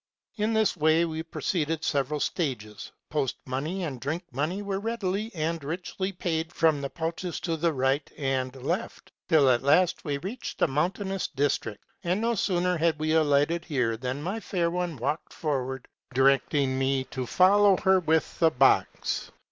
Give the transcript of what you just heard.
In this way we proceeded sev eral stages. Post money and drink money were readily and richly paid from the pouches to the right and left, till at last we reached a mountainous district ; and no sooner had we alighted here than my fair one walked forward, directing me to follow her with the box.